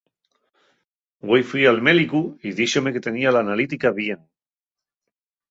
Güei fui al mélicu y díxome que tenía l'analítica bien.